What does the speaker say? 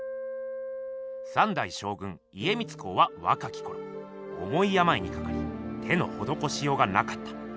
三代将軍家光公はわかきころおもいやまいにかかり手のほどこしようがなかった。